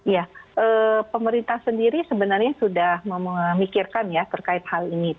ya pemerintah sendiri sebenarnya sudah memikirkan ya terkait hal ini